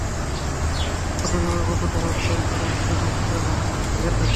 বছরের পর বছর ধরে উত্তাল তরঙ্গের মত তারা হানা দিতে থাকে।